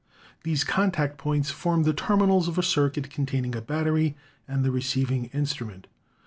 These contact points 259 260 ELECTRICITY formed the terminals of a circuit containing a battery and the receiving instrument.